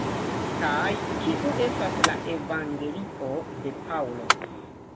Kaj kiu estas la evangelio de Paŭlo?